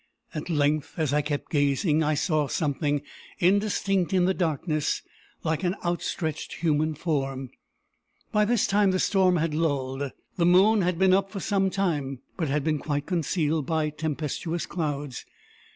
At length, as I kept gazing, I saw something, indistinct in the darkness, like an outstretched human form. By this time the storm had lulled. The moon had been up for some time, but had been quite concealed by tempestuous clouds.